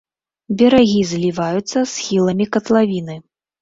Берагі зліваюцца з схіламі катлавіны.